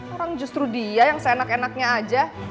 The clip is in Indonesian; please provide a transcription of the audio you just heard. orang justru dia yang seenak enaknya aja